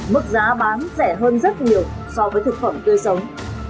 mức giá bán rẻ hơn rất nhiều so với thực phẩm tươi sống